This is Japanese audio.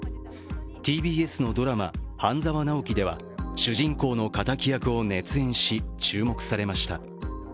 ＴＢＳのドラマ「半沢直樹」では主人公の敵役を熱演し注目されました。